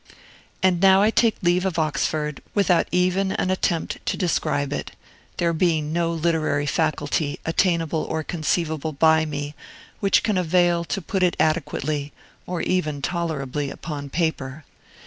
And now I take leave of Oxford without even an attempt to describe it, there being no literary faculty, attainable or conceivable by me, which can avail to put it adequately, or even tolerably, upon paper.